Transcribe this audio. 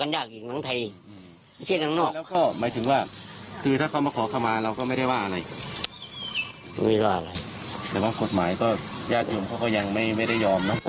ยากอิยมเขาก็ยังไม่ได้ยอมนะกฎหมายก็เลยกฎหมาย